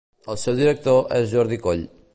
El seu director és Jordi Coll.